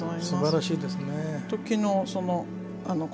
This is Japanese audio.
すばらしいですね。